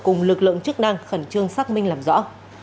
cùng lực lượng chức năng khẩn trương xác minh làm rõ